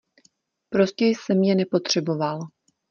Prostě jsem je nepotřeboval.